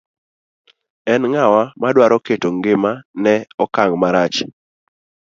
En ng'awa madwaro keto ng'ima ne okang' marach.